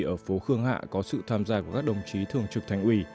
ở phố khương hạ có sự tham gia của các đồng chí thường trực thành ủy